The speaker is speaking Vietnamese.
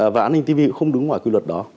và intv cũng không đứng ngoài quy luật đó